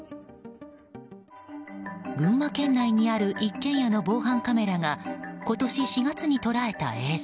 群馬県内にある一軒家の防犯カメラが今年４月に捉えた映像。